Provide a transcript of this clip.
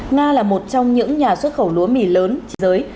nga là một trong những nhà xuất khẩu lúa mì lớn thế giới